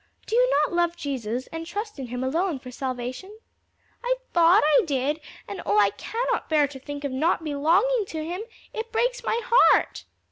Do you not love Jesus and trust in him alone for salvation?" "I thought I did, and oh I cannot bear to think of not belonging to him! it breaks my heart!"